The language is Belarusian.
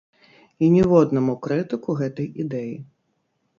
І ніводнаму крытыку гэтай ідэі.